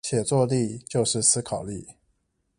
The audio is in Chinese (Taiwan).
寫作力就是思考力